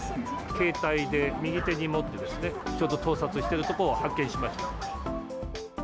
携帯で、右手に持ってですね、ちょうど盗撮しているところを発見しました。